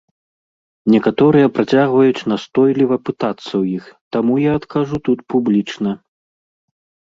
Некаторыя працягваюць настойліва пытацца ў іх, таму я адкажу тут публічна.